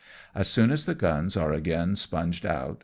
As soon as the guns are again sponged out.